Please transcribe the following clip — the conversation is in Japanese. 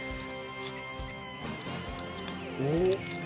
おっ。